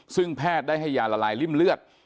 ซึ่งแพทย์ได้ให้ยาละลายริ่มเลือด